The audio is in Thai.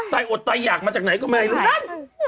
ตายอดตายอยากมาจากไหนก็ไม่ให้ลูกนั้น